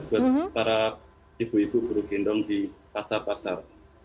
buat para ibu ibu guru gendong di pasar pasar